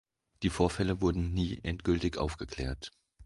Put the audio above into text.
Die Vorfälle wurden nie endgültig aufgeklärt.